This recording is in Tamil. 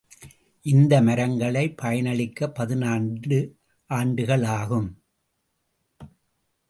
இந்த மரங்களை பயனளிக்கப் பதினான்கு ஆண்டுகள் ஆகும்.